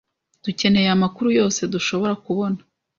Dukeneye amakuru yose dushobora kubona.